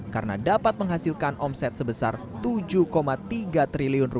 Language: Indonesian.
karena dapat menghasilkan omset sebesar rp tujuh tiga triliun